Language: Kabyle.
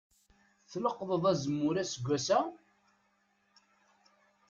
Tleqḍeḍ azemmur aseggas-a?